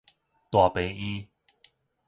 大病院